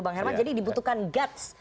bang herman jadi dibutuhkan guts